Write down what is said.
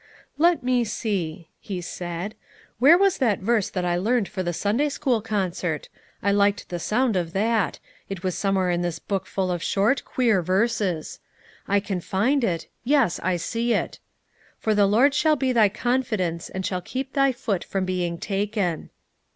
"Let me see," he said. "Where was that verse that I learned for the Sunday school concert? I liked the sound of that; it was somewhere in this book full of short, queer verses. I can find it; yes, I see it. 'For the Lord shall be thy confidence, and shall keep thy foot from being taken.'"